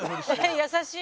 「優しい。